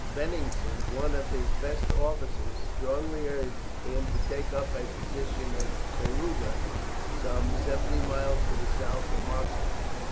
Beningsen, one of his best officers, strongly urged him to take up a position at Kalouga, some seventy miles to the south of Moscow.